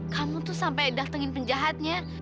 kamu tuh sampai datengin penjahatnya